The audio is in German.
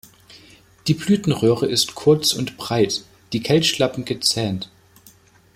Die Blütenröhre ist kurz und breit, die Kelchlappen gezähnt.